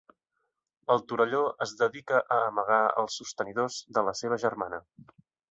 El Torelló es dedica a amagar els sostenidors de la seva germana.